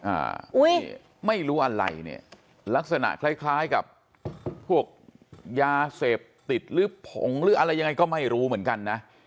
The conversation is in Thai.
อุ้ยไม่รู้อะไรเนี่ยลักษณะคล้ายคล้ายกับพวกยาเสพติดหรือผงหรืออะไรยังไงก็ไม่รู้เหมือนกันนะ